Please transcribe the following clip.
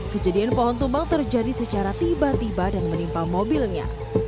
kejadian pohon tumbang terjadi secara tiba tiba dan menimpa mobilnya